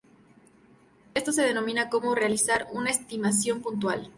Esto se denomina como realizar una estimación puntual.